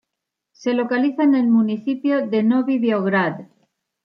Se localiza en el municipio de Novi Beograd.